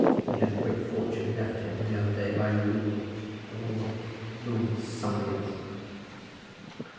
And he had a great fortune left him the other day by Lord Lord Lord somebody else."